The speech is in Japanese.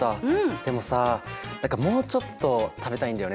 でもさ何かもうちょっと食べたいんだよね。